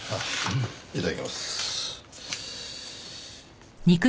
いただきます。